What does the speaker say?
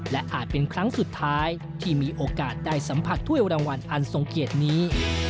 และอาจเป็นครั้งสุดท้ายที่มีโอกาสได้สัมผัสถ้วยรางวัลอันทรงเกียรตินี้